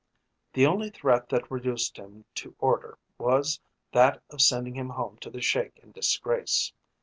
The only threat that reduced him to order was that of sending him home to the Sheik in disgrace.